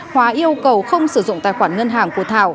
hóa yêu cầu không sử dụng tài khoản ngân hàng của thảo